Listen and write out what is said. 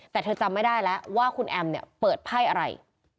แต่เธอจำไม่ได้แล้วว่าคุณแอมเนี่ยเปิดไพ่อะไร